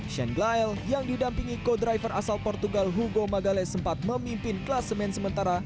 shane glyle yang didampingi co driver asal portugal hugo magale sempat memimpin kelas men sementara